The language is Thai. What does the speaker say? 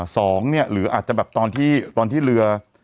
สองเนี่ยหรืออาจจะแบบตอนที่ตอนที่เรือ